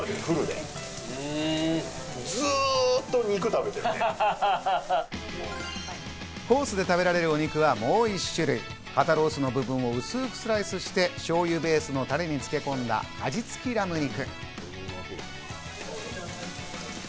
これこれこれ！コースで食べられるお肉はもう１種類、肩ロースの部分を薄くスライスして、しょうゆベースのタレに漬け込んだ味付きラム肉。